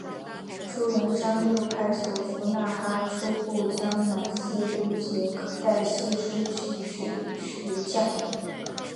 朱元璋又派所俘纳哈出部将乃剌吾携带玺书前去谕降。